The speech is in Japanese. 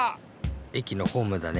えきのホームだね。